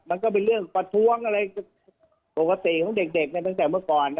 มันก็เป็นเรื่องประท้วงอะไรปกติของเด็กตั้งแต่เมื่อก่อน